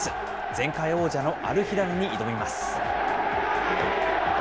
前回王者のアルヒラルに挑みます。